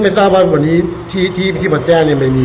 ตะหาหนึ่งคนครับเท่าที่ผมเป็นกี่คนครับ